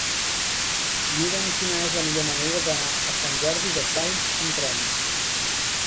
Mira'm quina és la millor manera d'anar a Sant Jordi Desvalls amb tren.